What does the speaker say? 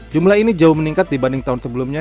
jumlah ini jauh meningkat dibanding tahun sebelumnya